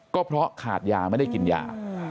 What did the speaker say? ก็เพราะขาดยาไม่ได้กินยา